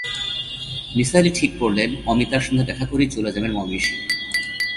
নিসার আলি ঠিক করলেন, অমিতার সঙ্গে দেখা করেই চলে যাবেন ময়মনসিংহ।